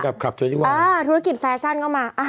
อ่าธุรกิจแฟชั่นก็มา